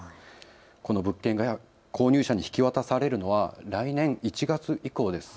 この物件が購入者に引き渡されるのは来年１月以降です。